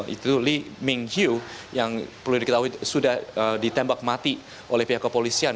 itu lee ming hyu yang perlu diketahui sudah ditembak mati oleh pihak kepolisian